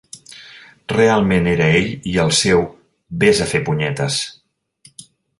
Realment era ell i el seu "ves a fer punyetes"!